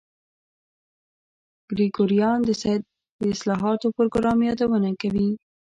ګریګوریان د سید د اصلاحاتو پروګرام یادونه کوي.